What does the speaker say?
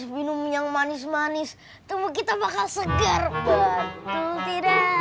pegi pergi pergi